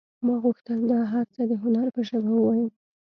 ما غوښتل دا هر څه د هنر په ژبه ووایم